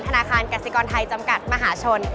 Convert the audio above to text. ธนาคารกสิกรไทยจำกัดมหาชน